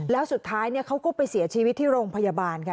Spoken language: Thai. แล้วสุดท้ายเขาก็ไปเสียชีวิตที่โรงพยาบาลค่ะ